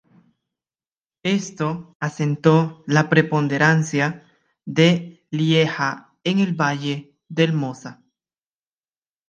Esto asentó la preponderancia de Lieja en el valle del Mosa.